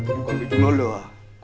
còn bị chúng nó lừa